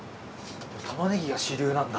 タマネギが主流なんだ。